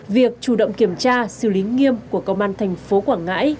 việc chủ động kiểm tra xử lý nghiêm của công an tp quảng ngãi